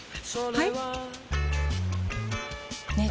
はい！